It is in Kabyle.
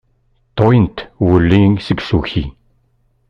Ṭwint wulli deg usuki.